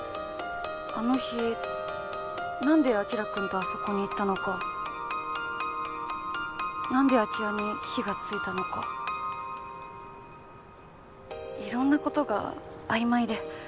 あの日なんで晶くんとあそこに行ったのかなんで空き家に火がついたのかいろんな事が曖昧で。